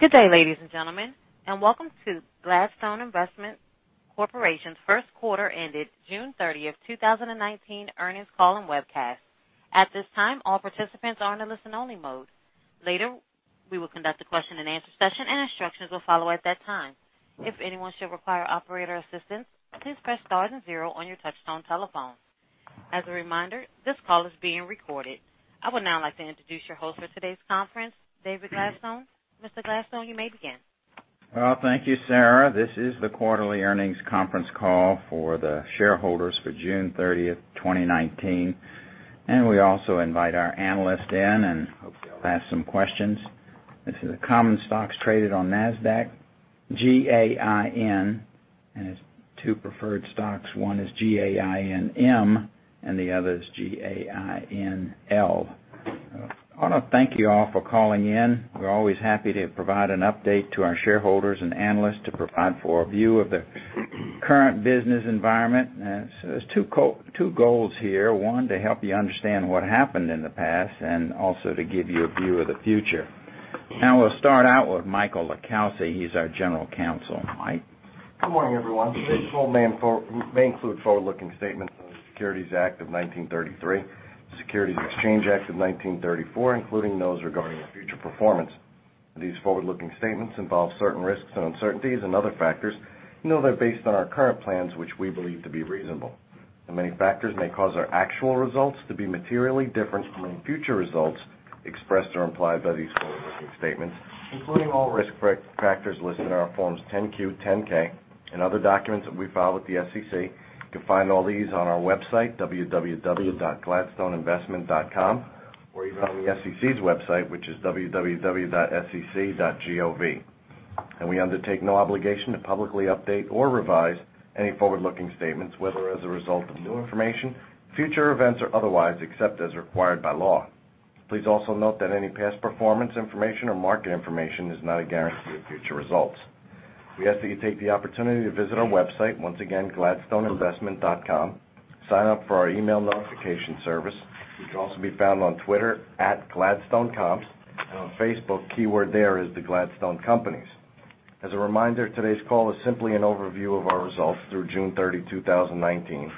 Good day, ladies and gentlemen, and welcome to Gladstone Investment Corporation's first quarter ended June 30th, 2019 earnings call and webcast. At this time, all participants are in a listen-only mode. Later, we will conduct a question and answer session and instructions will follow at that time. If anyone should require operator assistance, please press star and zero on your touchtone telephone. As a reminder, this call is being recorded. I would now like to introduce your host for today's conference, David Dullum. Mr. Dullum, you may begin. Well, thank you, Sarah. This is the quarterly earnings conference call for the shareholders for June 30th, 2019. We also invite our analysts in. Hopefully they'll ask some questions. This is the common stocks traded on Nasdaq, GAIN. Its two preferred stocks. One is GAINM. The other is GAINL. I want to thank you all for calling in. We're always happy to provide an update to our shareholders and analysts to provide for a view of the current business environment. There's two goals here. One, to help you understand what happened in the past. Also to give you a view of the future. We'll start out with Michael LiCalsi. He's our General Counsel. Mike? Good morning, everyone. Today's call may include forward-looking statements under the Securities Act of 1933, the Securities Exchange Act of 1934, including those regarding future performance. These forward-looking statements involve certain risks and uncertainties and other factors. We know they're based on our current plans, which we believe to be reasonable. Many factors may cause our actual results to be materially different from any future results expressed or implied by these forward-looking statements, including all risk factors listed in our forms 10-Q, 10-K and other documents that we file with the SEC. You can find all these on our website, www.gladstoneinvestment.com, or even on the SEC's website, which is www.sec.gov. We undertake no obligation to publicly update or revise any forward-looking statements, whether as a result of new information, future events, or otherwise, except as required by law. Please also note that any past performance information or market information is not a guarantee of future results. We ask that you take the opportunity to visit our website, once again, gladstoneinvestment.com, sign up for our email notification service, which can also be found on Twitter, @GladstoneComps, and on Facebook, keyword there is The Gladstone Companies. As a reminder, today's call is simply an overview of our results through June 30, 2019.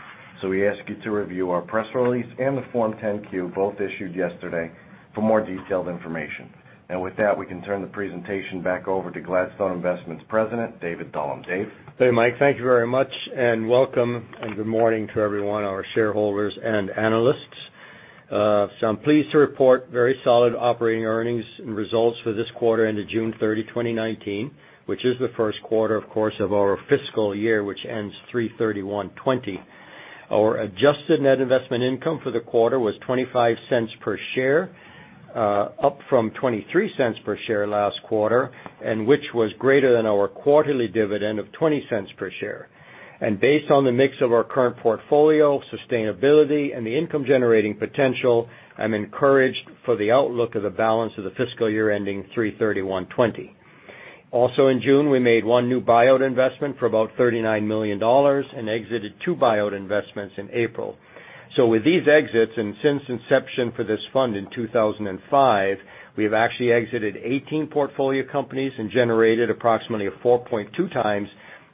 We ask you to review our press release and the Form 10-Q, both issued yesterday, for more detailed information. With that, we can turn the presentation back over to Gladstone Investment's President, David Dullum. Dave? Hey, Mike. Thank you very much, welcome and good morning to everyone, our shareholders and analysts. I'm pleased to report very solid operating earnings and results for this quarter into June 30, 2019, which is the first quarter, of course, of our fiscal year, which ends 03/31/2020. Our adjusted net investment income for the quarter was $0.25 per share, up from $0.23 per share last quarter, which was greater than our quarterly dividend of $0.20 per share. Based on the mix of our current portfolio, sustainability, and the income-generating potential, I'm encouraged for the outlook of the balance of the fiscal year ending 03/31/2020. Also in June, we made one new buyout investment for about $39 million and exited two buyout investments in April. With these exits, and since inception for this fund in 2005, we have actually exited 18 portfolio companies and generated approximately a 4.2 times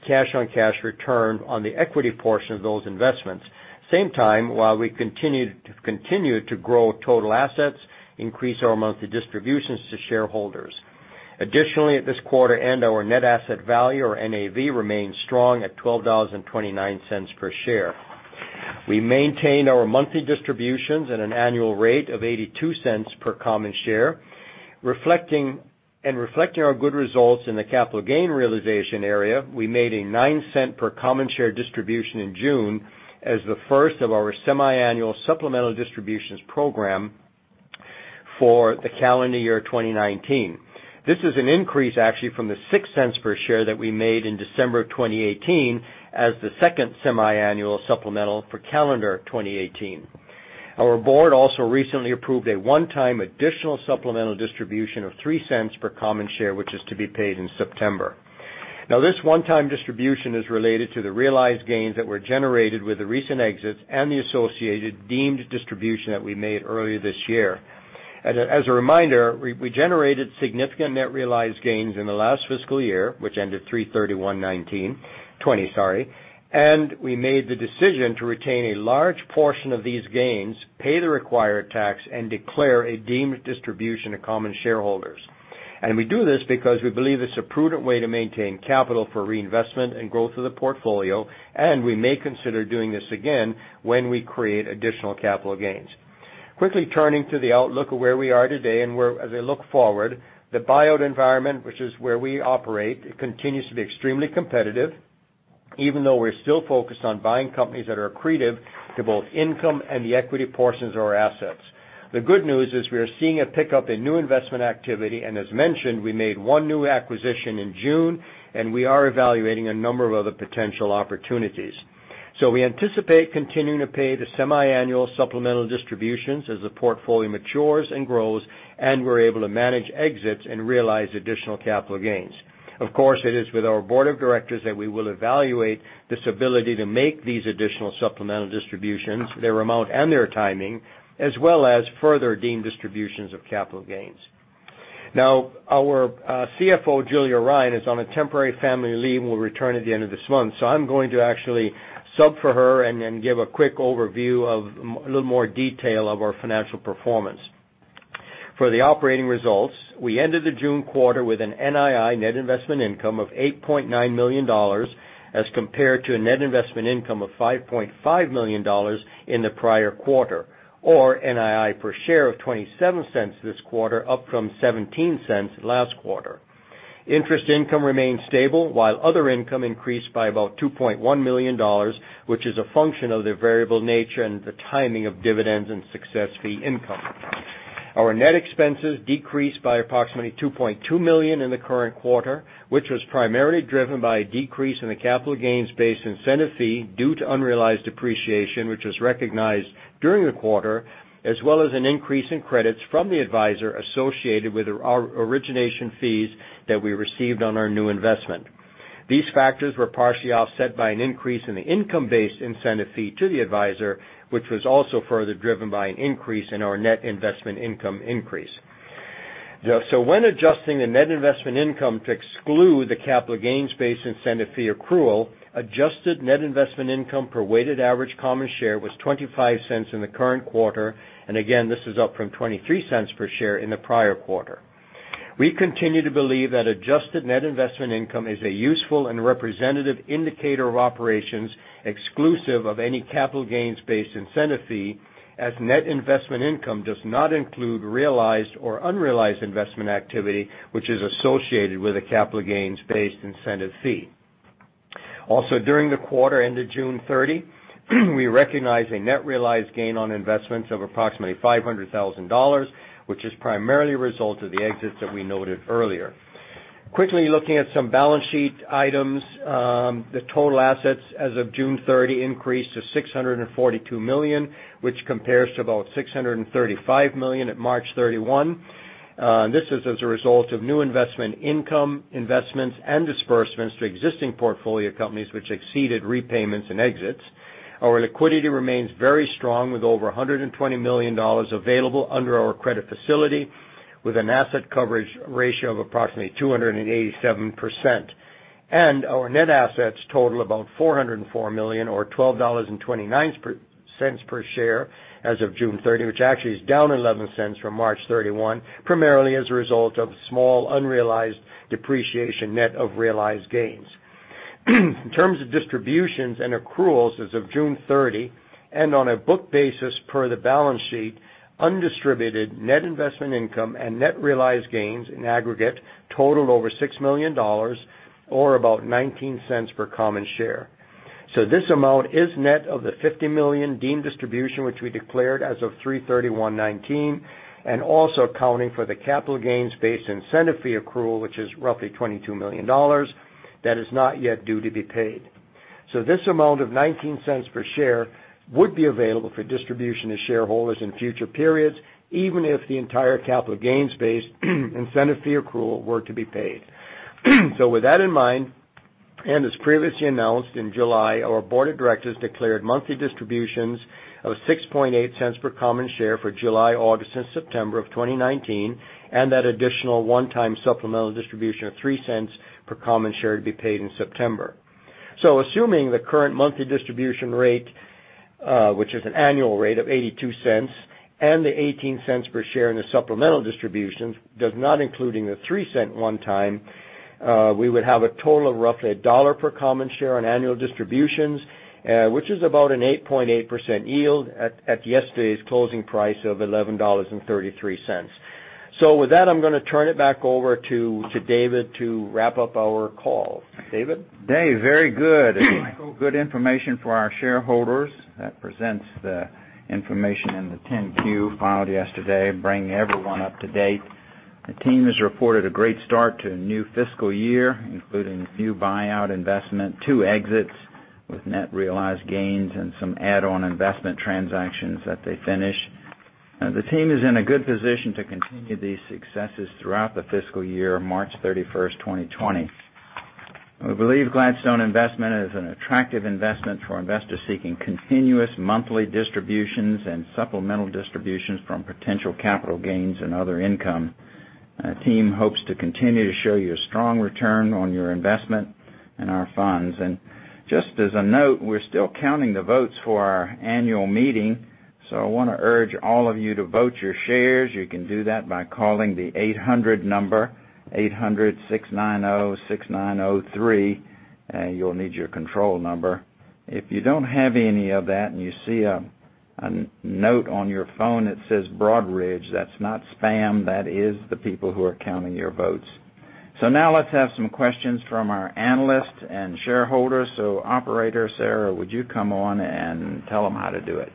cash-on-cash return on the equity portion of those investments. Same time, while we continued to grow total assets, increase our monthly distributions to shareholders. Additionally, at this quarter end, our net asset value, or NAV, remains strong at $12.29 per share. We maintain our monthly distributions at an annual rate of $0.82 per common share. Reflecting our good results in the capital gain realization area, we made a $0.09 per common share distribution in June as the first of our semi-annual supplemental distributions program for the calendar year 2019. This is an increase actually from the $0.06 per share that we made in December of 2018 as the second semi-annual supplemental for calendar 2018. Our board also recently approved a one-time additional supplemental distribution of $0.03 per common share, which is to be paid in September. This one-time distribution is related to the realized gains that were generated with the recent exits and the associated deemed distribution that we made earlier this year. As a reminder, we generated significant net realized gains in the last fiscal year, which ended March 31, 2020, sorry. We made the decision to retain a large portion of these gains, pay the required tax, and declare a deemed distribution to common shareholders. We do this because we believe it's a prudent way to maintain capital for reinvestment and growth of the portfolio, and we may consider doing this again when we create additional capital gains. Quickly turning to the outlook of where we are today and as I look forward, the buyout environment, which is where we operate, it continues to be extremely competitive, even though we're still focused on buying companies that are accretive to both income and the equity portions of our assets. The good news is we are seeing a pickup in new investment activity, and as mentioned, we made one new acquisition in June, and we are evaluating a number of other potential opportunities. We anticipate continuing to pay the semi-annual supplemental distributions as the portfolio matures and grows, and we're able to manage exits and realize additional capital gains. Of course, it is with our board of directors that we will evaluate this ability to make these additional supplemental distributions, their amount and their timing, as well as further deemed distributions of capital gains. Our CFO, Julia Ryan, is on a temporary family leave and will return at the end of this month. I'm going to actually sub for her and give a quick overview of a little more detail of our financial performance. For the operating results, we ended the June quarter with an NII net investment income of $8.9 million as compared to a net investment income of $5.5 million in the prior quarter. Or NII per share of $0.27 this quarter, up from $0.17 last quarter. Interest income remained stable while other income increased by about $2.1 million, which is a function of their variable nature and the timing of dividends and success fee income. Our net expenses decreased by approximately $2.2 million in the current quarter, which was primarily driven by a decrease in the capital gains base incentive fee due to unrealized depreciation, which was recognized during the quarter, as well as an increase in credits from the advisor associated with our origination fees that we received on our new investment. These factors were partially offset by an increase in the income-based incentive fee to the advisor, which was also further driven by an increase in our net investment income increase. When adjusting the net investment income to exclude the capital gains base incentive fee accrual, adjusted net investment income per weighted average common share was $0.25 in the current quarter. Again, this is up from $0.23 per share in the prior quarter. We continue to believe that adjusted net investment income is a useful and representative indicator of operations exclusive of any capital gains-based incentive fee, as net investment income does not include realized or unrealized investment activity, which is associated with a capital gains-based incentive fee. Also, during the quarter end of June 30, we recognized a net realized gain on investments of approximately $500,000, which is primarily a result of the exits that we noted earlier. Quickly looking at some balance sheet items. The total assets as of June 30 increased to $642 million, which compares to about $635 million at March 31. This is as a result of new investment income, investments, and disbursements to existing portfolio companies which exceeded repayments and exits. Our liquidity remains very strong with over $120 million available under our credit facility with an asset coverage ratio of approximately 287%. Our net assets total about $404 million or $12.29 per share as of June 30, which actually is down $0.11 from March 31, primarily as a result of small unrealized depreciation net of realized gains. In terms of distributions and accruals as of June 30, and on a book basis per the balance sheet, undistributed net investment income and net realized gains in aggregate totaled over $6 million, or about $0.19 per common share. This amount is net of the $50 million deemed distribution, which we declared as of 3/31/2019, and also accounting for the capital gains based incentive fee accrual, which is roughly $22 million. That is not yet due to be paid. This amount of $0.19 per share would be available for distribution to shareholders in future periods, even if the entire capital gains base incentive fee accrual were to be paid. With that in mind, and as previously announced in July, our board of directors declared monthly distributions of $0.068 per common share for July, August, and September of 2019, and that additional one-time supplemental distribution of $0.03 per common share to be paid in September. Assuming the current monthly distribution rate, which is an annual rate of $0.82, and the $0.18 per share in the supplemental distributions does not including the $0.03 one time, we would have a total of roughly $1 per common share on annual distributions, which is about an 8.8% yield at yesterday's closing price of $11.33. With that, I'm going to turn it back over to David to wrap up our call. David? Dave, very good. Michael, good information for our shareholders. That presents the information in the 10-Q filed yesterday, bringing everyone up to date. The team has reported a great start to a new fiscal year, including new buyout investment, two exits with net realized gains, and some add-on investment transactions that they finished. The team is in a good position to continue these successes throughout the fiscal year, March 31st, 2020. We believe Gladstone Investment is an attractive investment for investors seeking continuous monthly distributions and supplemental distributions from potential capital gains and other income. Our team hopes to continue to show you a strong return on your investment in our funds. Just as a note, we're still counting the votes for our annual meeting, so I want to urge all of you to vote your shares. You can do that by calling the 800 number, 800-690-6903. You'll need your control number. If you don't have any of that and you see a note on your phone that says "Broadridge," that's not spam. That is the people who are counting your votes. Now let's have some questions from our analysts and shareholders. Operator Sarah, would you come on and tell them how to do it?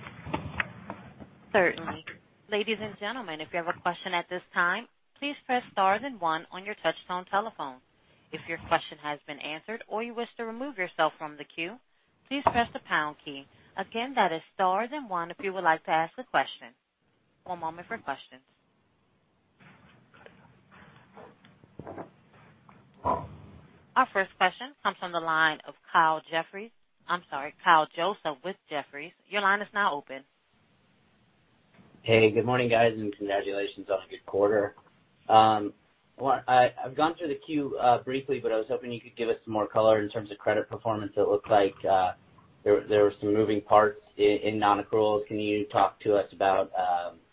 Certainly. Ladies and gentlemen, if you have a question at this time, please press star then one on your touch-tone telephone. If your question has been answered or you wish to remove yourself from the queue, please press the pound key. Again, that is star then one if you would like to ask a question. One moment for questions. Our first question comes from the line of Kyle Joseph. I'm sorry, Kyle Joseph with Jefferies. Your line is now open. Hey, good morning, guys, and congratulations on a good quarter. I've gone through the 10-Q briefly, but I was hoping you could give us some more color in terms of credit performance. It looks like there were some moving parts in non-accruals. Can you talk to us about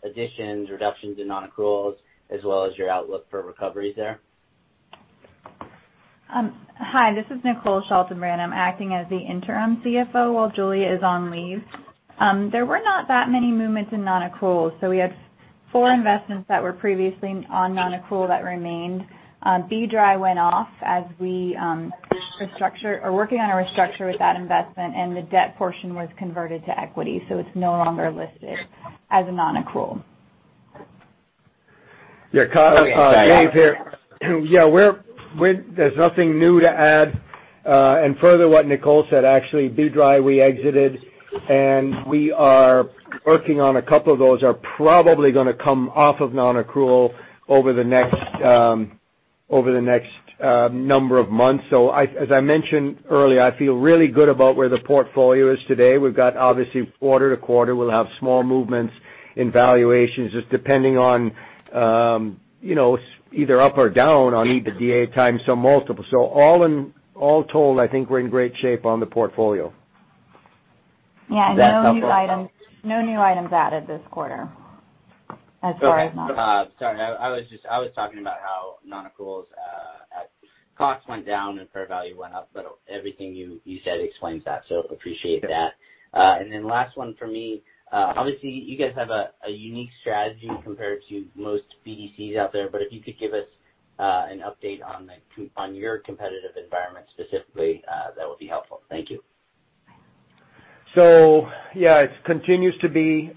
additions, reductions in non-accruals, as well as your outlook for recoveries there? Hi, this is Nicole Schaltenbrand. I'm acting as the interim CFO while Julia is on leave. There were not that many movements in non-accruals. We had four investments that were previously on non-accrual that remained. BDRI went off as we are working on a restructure with that investment, and the debt portion was converted to equity, so it's no longer listed as a non-accrual. Kyle, Dave here. There's nothing new to add. Further what Nicole said, actually, BDRI, we exited, and we are working on a couple of those are probably going to come off of non-accrual over the next number of months. As I mentioned earlier, I feel really good about where the portfolio is today. We've got obviously quarter to quarter, we'll have small movements in valuations, just depending on either up or down on EBITDA times some multiples. All in all told, I think we're in great shape on the portfolio. Yeah. No new items added this quarter as far as non-accruals. Sorry, I was talking about how non-accruals costs went down and fair value went up. Everything you said explains that. Appreciate that. Last one for me. Obviously, you guys have a unique strategy compared to most BDCs out there. If you could give us an update on your competitive environment specifically, that would be helpful. Thank you. Yeah, it continues to be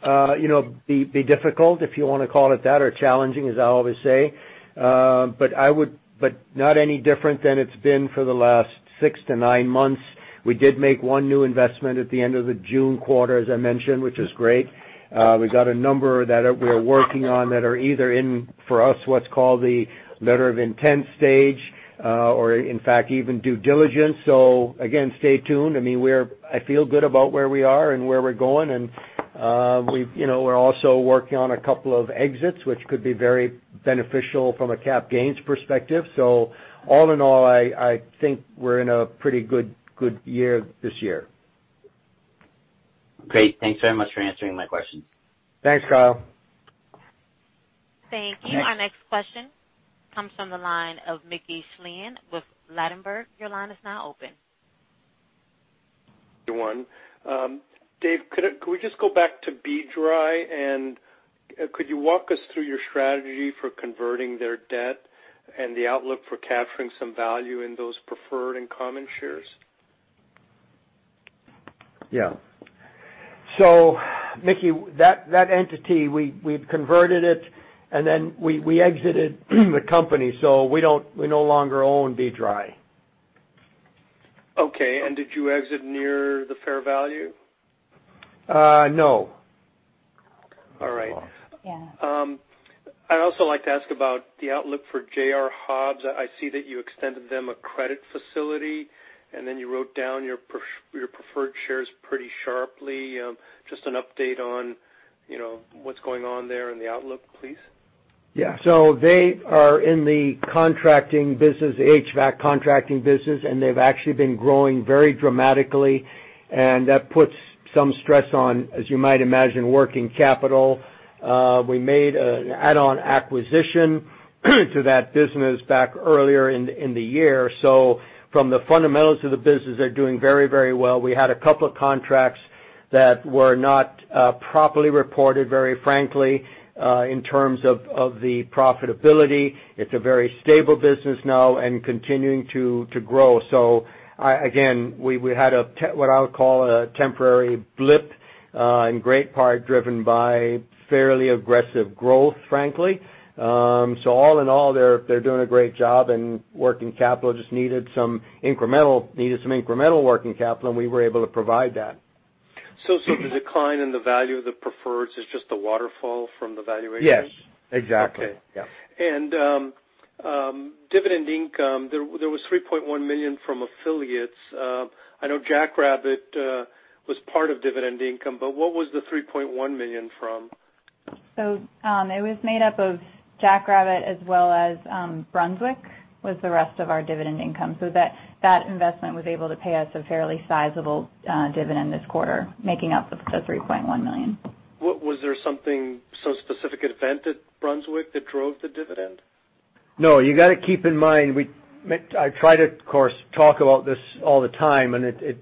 difficult, if you want to call it that, or challenging, as I always say. Not any different than it's been for the last six to nine months. We did make one new investment at the end of the June quarter, as I mentioned, which is great. We've got a number that we're working on that are either in, for us, what's called the letter of intent stage, or in fact, even due diligence. Again, stay tuned. I feel good about where we are and where we're going. We're also working on a couple of exits, which could be very beneficial from a cap gains perspective. All in all, I think we're in a pretty good year this year. Great. Thanks very much for answering my questions. Thanks, Kyle. Thank you. Our next question comes from the line of Mickey Schleien with Ladenburg. Your line is now open. Dave, could we just go back to BDRI, and could you walk us through your strategy for converting their debt and the outlook for capturing some value in those preferred and common shares? Yeah. Mickey, that entity, we've converted it, and then we exited the company. We no longer own BDRI. Okay. Did you exit near the fair value? No. All right. Yeah. I'd also like to ask about the outlook for JR Hobbs. I see that you extended them a credit facility, and then you wrote down your preferred shares pretty sharply. Just an update on what's going on there and the outlook, please. They are in the HVAC contracting business, and they've actually been growing very dramatically, and that puts some stress on, as you might imagine, working capital. We made an add-on acquisition to that business back earlier in the year. From the fundamentals of the business, they're doing very, very well. We had a couple of contracts that were not properly reported, very frankly, in terms of the profitability. It's a very stable business now and continuing to grow. Again, we had what I would call a temporary blip, in great part driven by fairly aggressive growth, frankly. All in all, they're doing a great job and working capital just needed some incremental working capital, and we were able to provide that. The decline in the value of the preferreds is just the waterfall from the valuation? Yes. Exactly. Okay. Yeah. Dividend income, there was $3.1 million from affiliates. I know Jackrabbit was part of dividend income, what was the $3.1 million from? It was made up of Jackrabbit as well as Brunswick was the rest of our dividend income. That investment was able to pay us a fairly sizable dividend this quarter, making up the $3.1 million. Was there some specific event at Brunswick that drove the dividend? No. You got to keep in mind, I try to, of course, talk about this all the time, and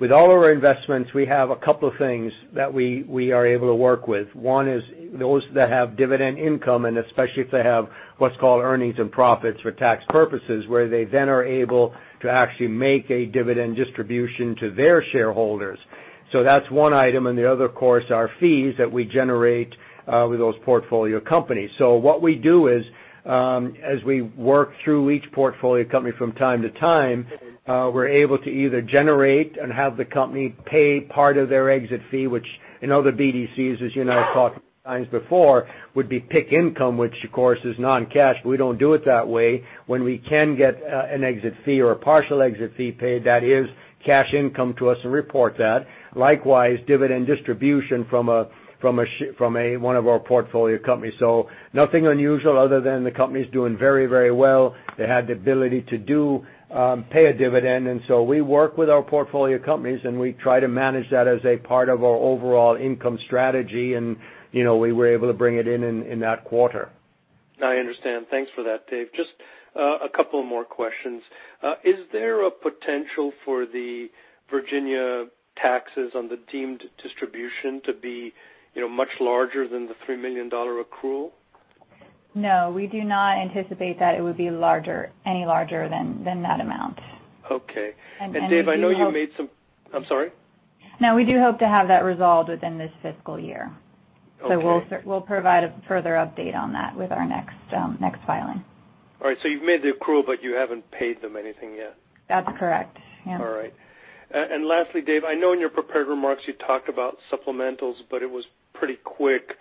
with all of our investments, we have a couple of things that we are able to work with. One is those that have dividend income, and especially if they have what's called earnings and profits for tax purposes, where they then are able to actually make a dividend distribution to their shareholders. That's one item. The other, of course, are fees that we generate with those portfolio companies. What we do is, as we work through each portfolio company from time to time, we're able to either generate and have the company pay part of their exit fee, which in other BDCs, as you know, I've talked many times before, would be PIK income, which of course is non-cash. We don't do it that way. When we can get an exit fee or a partial exit fee paid, that is cash income to us and report that. Likewise, dividend distribution from one of our portfolio companies. Nothing unusual other than the company's doing very, very well. They had the ability to pay a dividend. We work with our portfolio companies, and we try to manage that as a part of our overall income strategy. We were able to bring it in in that quarter. I understand. Thanks for that, Dave. Just a couple more questions. Is there a potential for the Virginia taxes on the deemed distribution to be much larger than the $3 million accrual? No, we do not anticipate that it would be any larger than that amount. Okay. We do hope. Dave, I know you made some I'm sorry? No, we do hope to have that resolved within this fiscal year. Okay. We'll provide a further update on that with our next filing. All right, you've made the accrual, but you haven't paid them anything yet? That's correct. Yeah. All right. Lastly, Dave, I know in your prepared remarks you talked about supplementals, but it was pretty quick.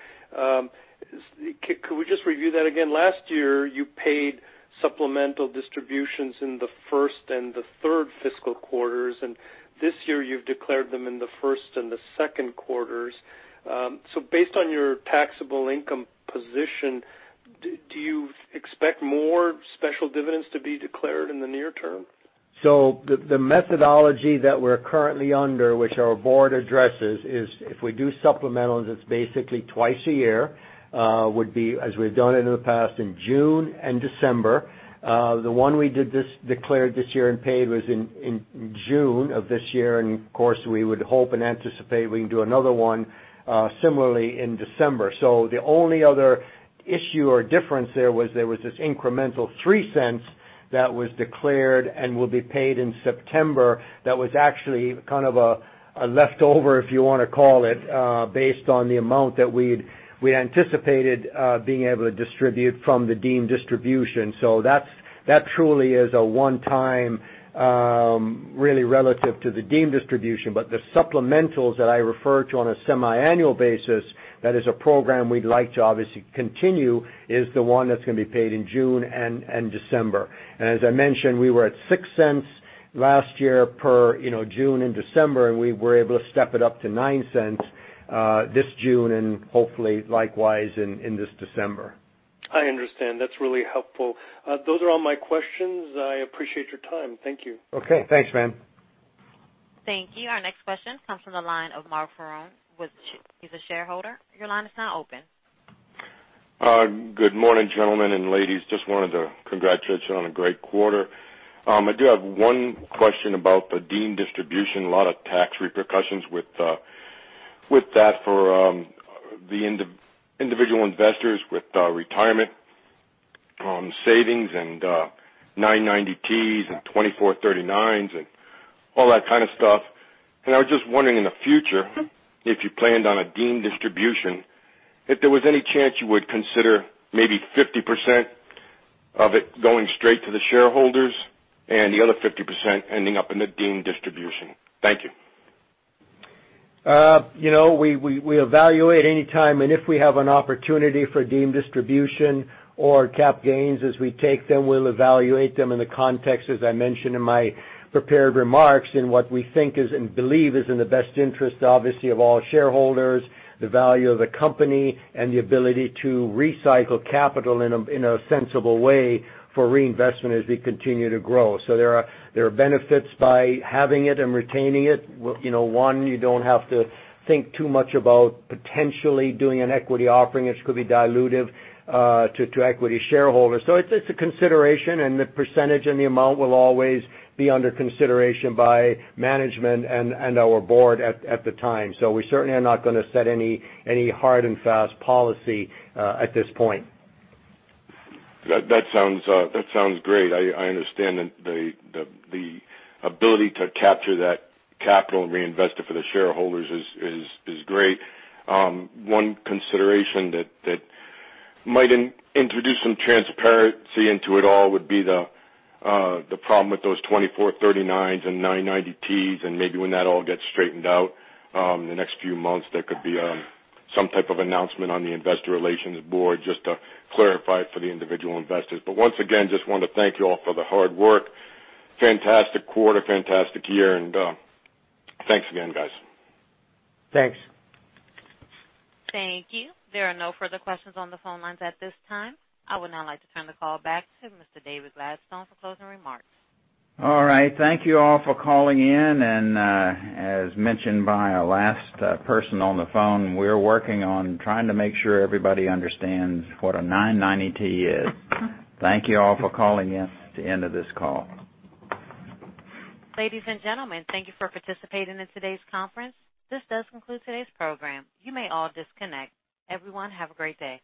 Could we just review that again? Last year, you paid supplemental distributions in the first and the third fiscal quarters, and this year you've declared them in the first and the second quarters. Based on your taxable income position, do you expect more special dividends to be declared in the near term? The methodology that we're currently under, which our board addresses, is if we do supplementals, it's basically twice a year, as we've done it in the past in June and December. The one we declared this year and paid was in June of this year, and of course, we would hope and anticipate we can do another one similarly in December. The only other issue or difference there was this incremental $0.03 that was declared and will be paid in September. That was actually kind of a leftover, if you want to call it, based on the amount that we anticipated being able to distribute from the deemed distribution. That truly is a one-time, really relative to the deemed distribution. The supplementals that I refer to on a semi-annual basis, that is a program we'd like to obviously continue, is the one that's going to be paid in June and December. As I mentioned, we were at $0.06 last year per June and December, and we were able to step it up to $0.09 this June and hopefully likewise in this December. I understand. That's really helpful. Those are all my questions. I appreciate your time. Thank you. Okay, thanks, ma'am. Thank you. Our next question comes from the line of Mark Ferron. He's a shareholder. Your line is now open. Good morning, gentlemen and ladies. Just wanted to congratulate you on a great quarter. I do have one question about the deemed distribution. A lot of tax repercussions with that for the individual investors with retirement savings and 990-Ts and 2439s and all that kind of stuff. I was just wondering in the future, if you planned on a deemed distribution, if there was any chance you would consider maybe 50% of it going straight to the shareholders and the other 50% ending up in the deemed distribution? Thank you. We evaluate any time, and if we have an opportunity for deemed distribution or cap gains as we take them, we'll evaluate them in the context, as I mentioned in my prepared remarks, in what we think is and believe is in the best interest, obviously, of all shareholders, the value of the company, and the ability to recycle capital in a sensible way for reinvestment as we continue to grow. There are benefits by having it and retaining it. One, you don't have to think too much about potentially doing an equity offering, which could be dilutive to equity shareholders. It's a consideration, and the percentage and the amount will always be under consideration by management and our board at the time. We certainly are not going to set any hard and fast policy at this point. That sounds great. I understand that the ability to capture that capital and reinvest it for the shareholders is great. One consideration that might introduce some transparency into it all would be the problem with those 2439s and 990-Ts. Maybe when that all gets straightened out in the next few months, there could be some type of announcement on the investor relations board just to clarify for the individual investors. Once again, just wanted to thank you all for the hard work. Fantastic quarter. Fantastic year, and thanks again, guys. Thanks. Thank you. There are no further questions on the phone lines at this time. I would now like to turn the call back to Mr. David Gladstone for closing remarks. All right. Thank you all for calling in, and as mentioned by our last person on the phone, we're working on trying to make sure everybody understands what a 990-T is. Thank you all for calling in to the end of this call. Ladies and gentlemen, thank you for participating in today's conference. This does conclude today's program. You may all disconnect. Everyone have a great day.